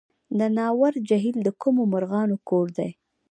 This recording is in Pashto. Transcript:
د ناور جهیل د کومو مرغانو کور دی؟